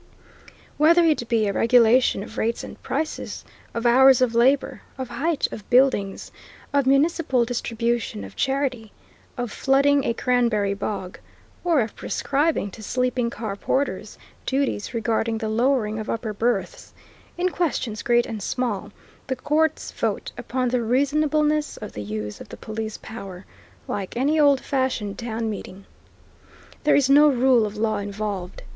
Whether it be a regulation of rates and prices, of hours of labor, of height of buildings, of municipal distribution of charity, of flooding a cranberry bog, or of prescribing to sleeping car porters duties regarding the lowering of upper berths, in questions great and small, the courts vote upon the reasonableness of the use of the Police Power, like any old fashioned town meeting. There is no rule of law involved.